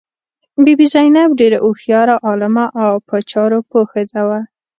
بي بي زینب ډېره هوښیاره، عالمه او په چارو پوه ښځه وه.